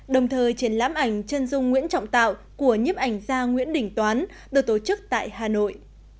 đồng thời triển lãm ảnh chân dung nguyễn trọng tạo của nhiếp ảnh gia nguyễn đình toán được tổ chức tại hà nội